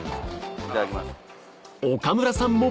いただきます。